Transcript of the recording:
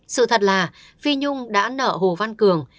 sự thật là phi nhung đã nợ hồ văn cường